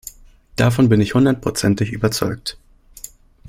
Davon bin ich hundertprozentig überzeugt.